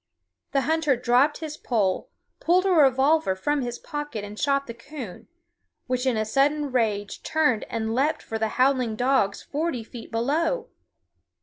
The hunter dropped his pole, pulled a revolver from his pocket and shot the coon, which in a sudden rage turned and leaped for the howling dogs forty feet below.